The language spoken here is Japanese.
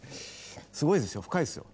すごいですよ深いですよ。